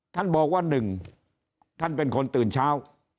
ท่านบอกว่า๑ท่านเป็นคนตื่นเช้า